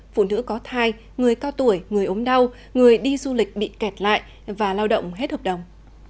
phụ nữ có thai người cao tuổi người ốm đau người đi du lịch bị kẹt lại và lao động hết hợp đồng